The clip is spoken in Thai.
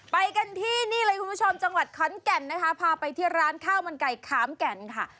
ไปที่จังหวัดเค้้นแก่นนะคะพาไปที่ร้านข้าวมันไก่ค้ามแก่นค่ะ